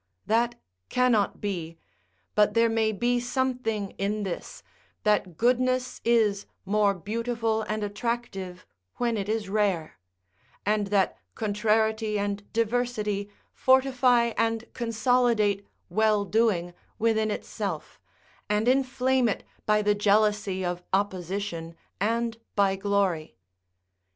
That cannot be: but there may be something in this, that goodness is more beautiful and attractive when it is rare; and that contrariety and diversity fortify and consolidate well doing within itself, and inflame it by the jealousy of opposition and by glory.